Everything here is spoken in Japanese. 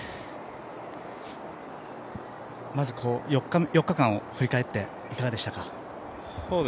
まず４日間を振り返っていかがでしたか。